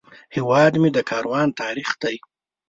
هیواد مې د کاروانو تاریخ دی